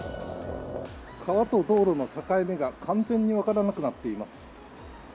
川と道路の境目が完全にわからなくなっています。